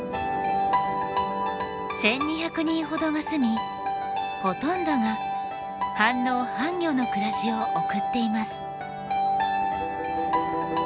１，２００人ほどが住みほとんどが半農半漁の暮らしを送っています。